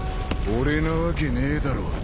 俺なわけねえだろ。